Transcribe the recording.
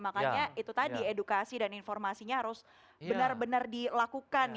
makanya itu tadi edukasi dan informasinya harus benar benar dilakukan